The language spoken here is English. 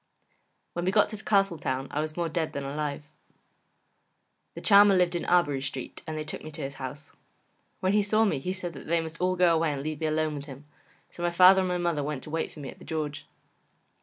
When we got to Castletown I was more dead than alive. The Charmer lived in Arbory Street and they took me to his house. When he saw me he said that they must all go away and leave me alone with him, so my father and my mother went to wait for me at The George.